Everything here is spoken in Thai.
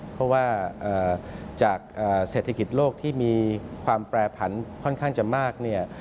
เพราะว่าจากเศรษฐกิจโลกที่มีความแปรผันค่อนข้างจะมากเนี่ย